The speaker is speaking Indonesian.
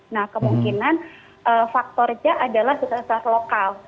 nah kemungkinan faktornya adalah sesar sesar lokal